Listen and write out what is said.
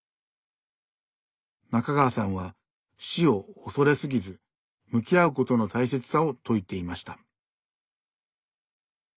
中川さんは「死」を恐れすぎず向き合うことの大切さを説いていました。